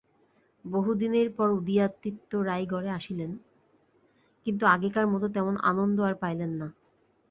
বহুদিনের পর উদয়াদিত্য রায়গড়ে আসিলেন, কিন্তু আগেকার মত তেমন আনন্দ আর পাইলেন না।